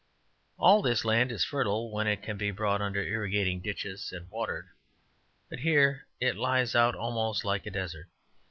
All this land is fertile when it can be brought under irrigating ditches and watered, but here it lies out almost like a desert.